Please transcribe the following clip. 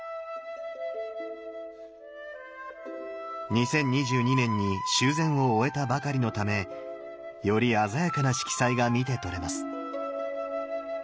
２０２２年に修繕を終えたばかりのためより鮮やかな色彩が見て取れます。